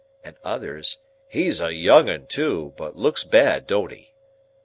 and others, "He's a young 'un, too, but looks bad, don't he?"